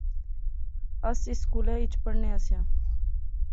اس اس سکولا اچ پڑھنے آسے آں